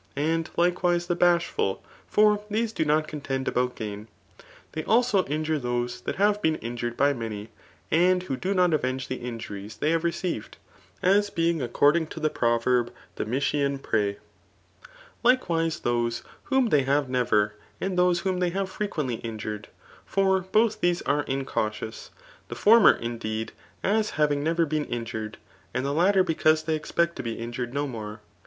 And lik^ise the bashful ; for these do not cont^ abcmt gaiti. They also injjure those who hav4 been itijured by awky, and who do not avteoge the injuries tbey have rO« eeived, aa bebig according to the proverb the Mytilua |Nfejr« Likewiee thoee whom they have never, add tbcM whom they have frequently injured* For both these are incautious ; the former, indeed, as having never been injured, and the latter because they expect to be injured no more.